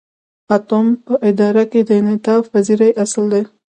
اتم په اداره کې د انعطاف پذیری اصل دی.